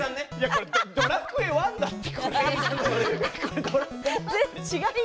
これ「ドラクエＩ」だって。